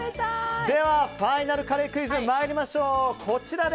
では、ファイナルカレークイズ参りましょう。